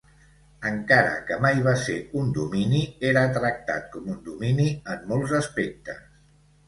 Encara que mai va ser un domini, era tractat com un domini en molts aspectes.